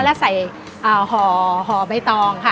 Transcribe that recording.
แล้วใส่ห่อใบตองค่ะ